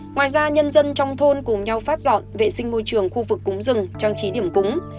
ngoài ra nhân dân trong thôn cùng nhau phát dọn vệ sinh môi trường khu vực cúng rừng trang trí điểm cúng